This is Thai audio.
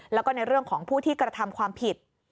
แล้วก็ในเรื่องของผู้ที่กระทำความผิด